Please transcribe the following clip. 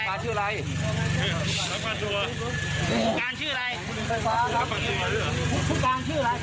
ผู้การชื่ออะไรข้อกาฟที่เชื้อใหม่ครับ